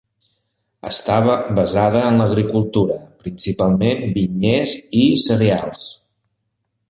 Està basada en l'agricultura, principalment vinyers i cereals.